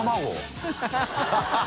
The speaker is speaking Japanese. ハハハ